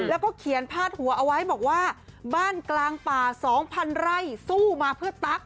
แล้วก็เขียนพาดหัวเอาไว้บอกว่าบ้านกลางป่า๒๐๐ไร่สู้มาเพื่อตั๊ก